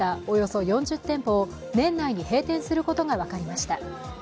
およそ４０店舗を年内に閉店することを決めました。